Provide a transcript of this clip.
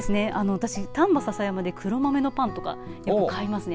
私、丹波篠山で黒豆のパンとか買いますね。